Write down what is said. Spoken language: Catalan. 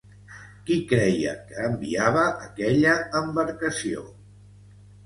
Qui creia que enviava aquella embarcació?